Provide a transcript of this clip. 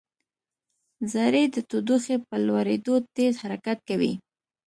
ذرې د تودوخې په لوړېدو تېز حرکت کوي.